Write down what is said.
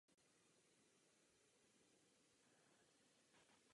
Vystudovala zpěv na konzervatoři v Brně.